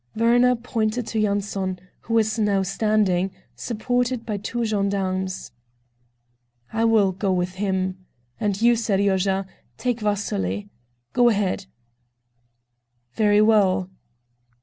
Werner pointed to Yanson, who was now standing, supported by two gendarmes. "I will go with him. And you, Seryozha, take Vasily. Go ahead." "Very well."